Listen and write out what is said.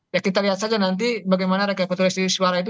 ya kita lihat saja nanti bagaimana rekapitulasi suara itu